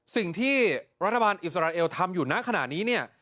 สิ่งที่รัฐบาลอิสราเอลทำอยู่หน้าขณะนี้